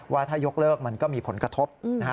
ว่าถ้ายกเลิกมันก็มีผลกระทบ